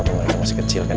kalau rena masih kecil kan